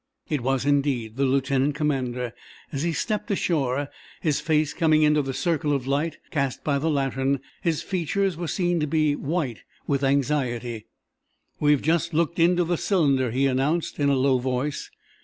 It was, indeed, the lieutenant commander. As he stepped ashore, his face coming into the circle of light cast by the lantern, his features were seen to be white with anxiety. "We have just looked into the cylinder," he announced, in a low voice.